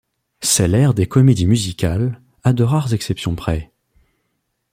C'est l'ère des comédies musicales, à de rares exceptions près.